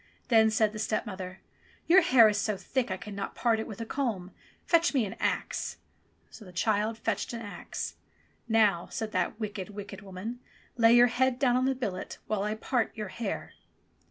Then said the stepmother, "Your hair is so thick I cannot part it with a comb; fetch me an axe !" So the child fetched an axe. Now," said that wicked, wicked woman, "lay your head down on the billet while I part your hair."